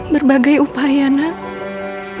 berbagai upaya kita lakukan waktu itu